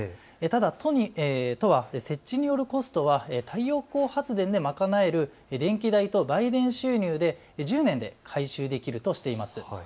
ただ都は設置によるコストは太陽光発電で賄える電気代と売電収入で１０年で回収できるとしています。